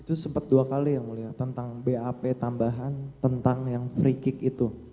itu sempat dua kali ya mulia tentang bap tambahan tentang yang free kick itu